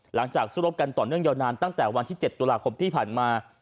สู้รบกันต่อเนื่องยาวนานตั้งแต่วันที่๗ตุลาคมที่ผ่านมา